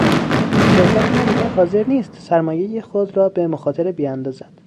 شرکت ما دیگر حاضر نیست سرمایهی خود را به مخاطره بیاندازد.